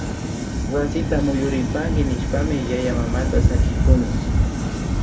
Wasita muyuripanki nishpami yayamamata sakikuni